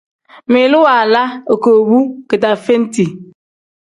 Ngmiilu waala igoobu kidaaveeniti.